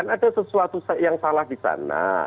ada sesuatu yang salah di sana